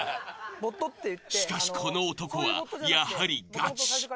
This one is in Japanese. しかしこの男はやはりガチ。